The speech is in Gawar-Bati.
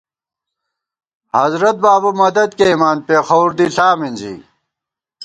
حضرت بابُو مدد کېئیمان، پېخَوُر دِݪا مِنزی